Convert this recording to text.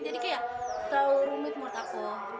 jadi kayak terlalu rumit menurut aku